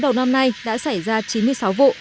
đầu năm nay đã xảy ra chín mươi sáu vụ